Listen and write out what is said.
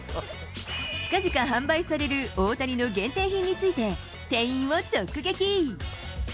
ちかぢか販売される大谷の限定品について、店員を直撃。